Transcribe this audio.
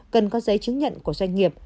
cần có giấy chứng nhận của doanh nghiệp